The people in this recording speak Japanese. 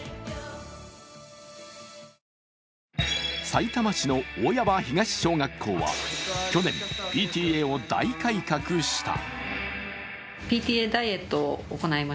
さいたま市の大谷場東小学校は去年、ＰＴＡを大改革した。